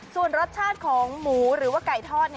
ส่วนรสชาติของหมูหรือว่าไก่ทอด